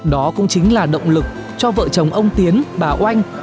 đó cũng chính là động lực cho vợ chồng ông tiến bà oanh